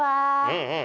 うんうん！